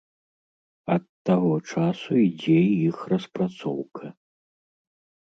Ад таго часу ідзе іх распрацоўка.